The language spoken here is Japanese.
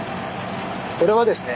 これはですね